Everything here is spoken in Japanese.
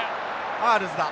アールズだ。